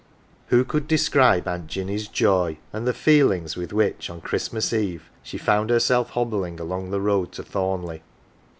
Who could describe Aunt Jinny's joy, and the 158 AUNT JINNY feelings with which on Christinas Eve she found herself hobbling along the road to Thornleigh.